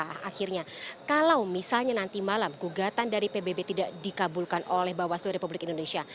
nah akhirnya kalau misalnya nanti malam gugatan dari pbb tidak dikabulkan oleh bawaslu republik indonesia